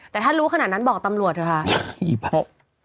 แต่ถ้ารู้ขนาดนั้นบอกตำรวจเลยค่ะพี่ฟังส์ฮึ่ย